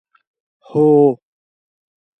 هو.